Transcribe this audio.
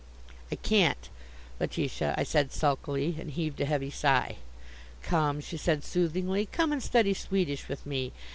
"I can't, Letitia," I said sulkily, and I heaved a heavy sigh. "Come," she said soothingly, "come and study Swedish with me.